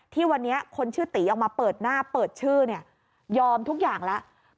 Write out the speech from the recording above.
ที่วันนี้คนชื่อตีออกมาเปิดหน้าเปิดชื่อเนี่ยยอมทุกอย่างแล้ว